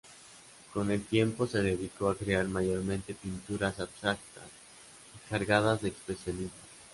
Con el tiempo se dedicó a crear mayormente pinturas abstractas y cargadas de expresionismo.